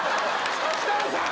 設楽さん！